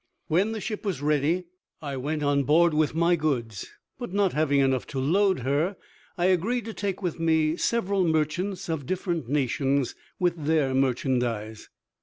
When the ship was ready I went on board with my goods; but not having enough to load her, I agreed to take with me several merchants of different nations, with their merchandise.